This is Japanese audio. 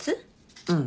うん。